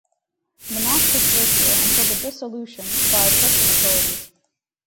Monastics lived here until the dissolution by Prussian authorities.